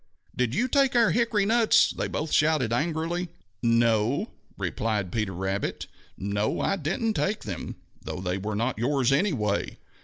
"Did you take our hickory nuts?" they both shouted angrily. "No," replied Peter, "no, I didn't take them, though they were not yours, anyway!"